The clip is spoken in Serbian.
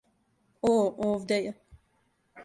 О, овде је.